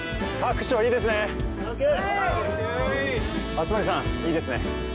熱護さんいいですね？